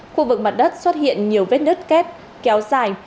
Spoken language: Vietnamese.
khu vực mặt đất xuất hiện nhiều vết đất két kéo dài